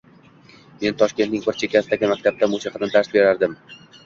Men Toshkentning bir chekkasidagi maktabda musiqadan dars berardim.